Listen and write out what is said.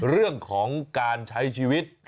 เรื่องของการใช้ชีวิต